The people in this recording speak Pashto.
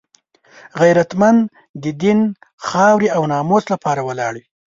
غیرتمند د دین، خاورې او ناموس لپاره ولاړ وي